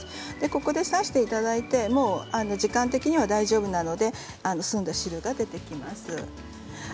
ここで刺していただいて時間的には大丈夫なので澄んだ汁が出てきます。